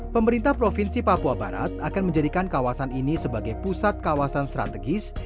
pemerintah provinsi papua barat akan menjadikan kawasan ini sebagai pusat kawasan strategis